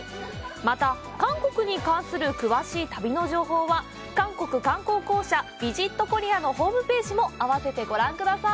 また、韓国に関する詳しい旅の情報は韓国観光公社ＶＩＳＩＴＫＯＲＥＡのホームページも併せてご覧ください。